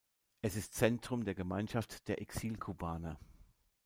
Es ist Zentrum der Gemeinschaft der Exilkubaner.